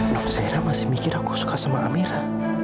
non seira masih mikir aku suka sama amira